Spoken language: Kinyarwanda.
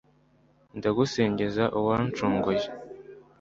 ndagusingiza uwancunguye